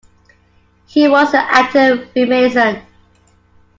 He was an active freemason.